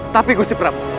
tapi gusti prabu